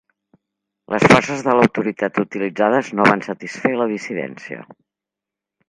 Les forces de l'autoritat utilitzades no van satisfer la dissidència.